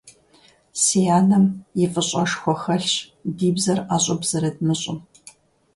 Си анэм и фӀыщӀэшхуэ хэлъщ ди бзэр ӀэщӀыб зэрыдмыщӀым.